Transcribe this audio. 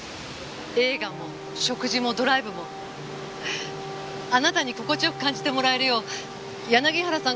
映画も食事もドライブもあなたに心地よく感じてもらえるよう柳原さん